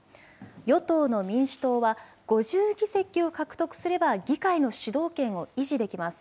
与党の民主党は５０議席を獲得すれば議会の主導権を維持できます。